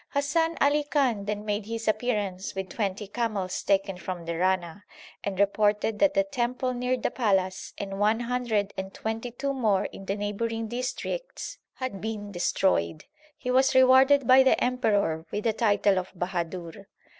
Hasan Ali Khan then made his appearance with twenty camels taken from the Rana, and reported that the temple near the palace and one hundred and twenty two more in the neighbouring districts had been INTRODUCTION xlix destroyed. He was rewarded by the emperor with the title of Bahadur.